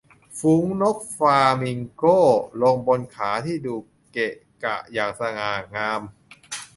ฝูงนกฟลามิงโกลงบนขาที่ดูเกะกะอย่างสง่างาม